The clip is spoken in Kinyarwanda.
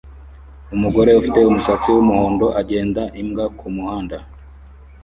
Umugore ufite umusatsi wumuhondo agenda imbwa kumuhanda